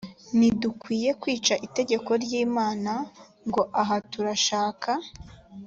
ntidukwiriye kwica itegeko ry imana ngo aha turashaka